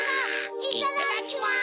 いただきます！